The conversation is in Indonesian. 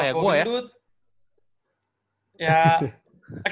eh ya gak apa apa gue emang